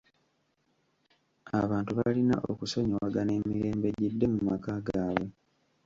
Abantu balina okusonyiwagana emirembe gidde mu maka gaabwe.